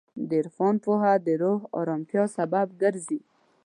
د عرفان پوهه د روح ارامتیا سبب ګرځي.